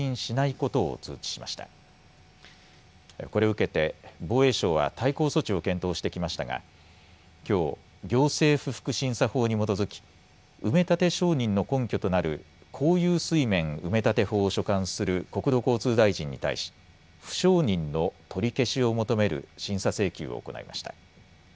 これを受けて防衛省は対抗措置を検討してきましたがきょう行政不服審査法に基づき埋め立て承認の根拠となる公有水面埋立法を所管する国土交通大臣に対し不承認の取り消しを求める審査請求を行いました。